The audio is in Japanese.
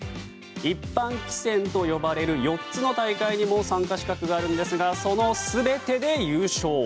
一般棋戦と呼ばれる４つの大会にも参加資格があるんですがその全てで優勝。